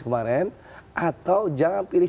kemarin atau jangan pilih